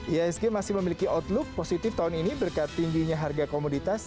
ihsg masih memiliki outlook positif tahun ini berkat tingginya harga komoditas